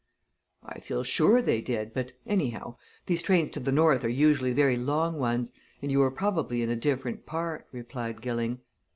"I feel sure they did, but anyhow, these trains to the North are usually very long ones, and you were probably in a different part," replied Gilling.